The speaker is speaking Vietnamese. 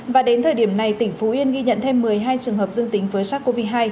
và đến thời điểm này tỉnh phú yên ghi nhận thêm một mươi hai trường hợp dương tính với sars cov hai